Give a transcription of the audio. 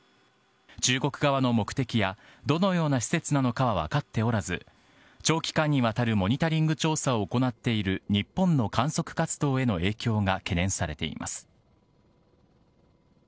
中国側の目的やどのような施設なのかは分かっておらず長期間にわたるモニタリング調査を行っている日本の観測活動への影響が懸念されています。